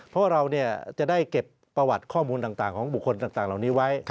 เพราะเราจะได้เก็บประวัติข้อมูลต่างของบุคคลต่างเหล่านี้ไว้